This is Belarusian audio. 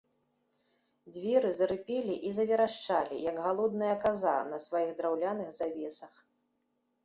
Дзверы зарыпелі і заверашчалі, як галодная каза, на сваіх драўляных завесах.